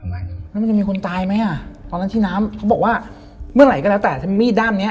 มันจะมีคนตายไหมตอนนั้นที่น้ำเขาบอกว่าเมื่อไหร่ก็แล้วแต่